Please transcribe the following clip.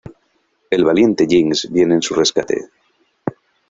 El valiente Jinx viene en su rescate.